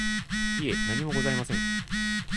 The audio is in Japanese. いえ、何もございません。